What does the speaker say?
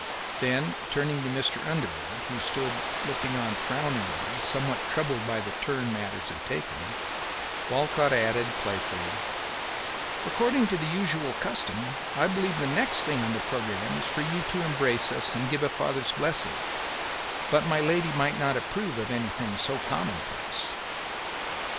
Then turning to Mr. Underwood, who stood looking on frowningly, somewhat troubled by the turn matters had taken, Walcott added, playfully, "According to the usual custom, I believe the next thing on the programme is for you to embrace us and give us a father's blessing, but my lady might not approve of anything so commonplace."